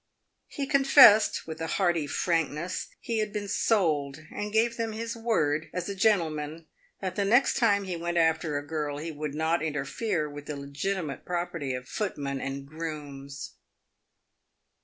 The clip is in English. He confessed, with a hearty frankness, he had been sold, and gave them his word, as a gentleman, that the next time he went after a girl he would not interfere with the legitimate property of footmen and grooms.